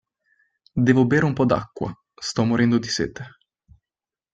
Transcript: Devo bere un po' d'acqua, sto morendo di sete!